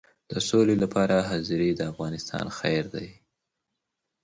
د سولې لپاره حاضري د افغانستان خیر دی.